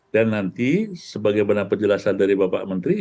dan nanti sebagai benar penjelasan dari bapak menteri